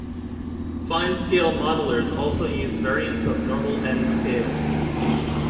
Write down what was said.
Finescale modellers also use variants of normal N scale.